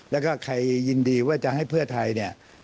แล้วก็ใครยินดีว่าจะให้เพื่อไทยเนี่ย